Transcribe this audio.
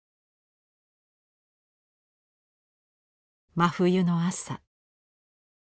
真冬の朝。